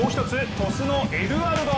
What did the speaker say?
鳥栖のエドゥアルド。